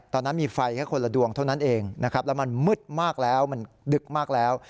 ตอนนั้นมีไฟแค่คนละดวงเท่านั้นเองนะครับแล้วมันมืดมากแล้วมันดึกมากแล้ว